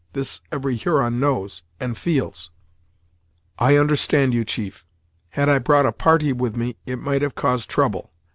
This every Huron knows, and feels." "I understand you, chief. Had I brought a party with me, it might have caused trouble.